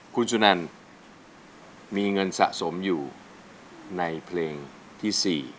คุณสุนันมีเงินสะสมอยู่ในเพลงที่๔